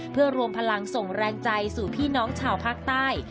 เพื่อรวมพลังส่งแรงใจสู่พี่น้องชาวภาคใต้